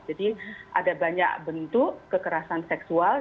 jadi ada banyak bentuk kekerasan seksual